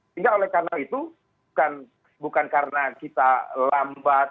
sehingga oleh karena itu bukan karena kita lambat